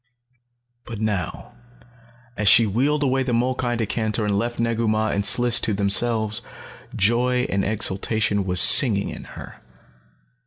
But now, as she wheeled away the molkai decanter and left Negu Mah and Sliss to themselves, joy and exultation was singing in her.